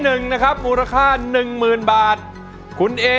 โรงพยาบาลมาที่สุดในทะเล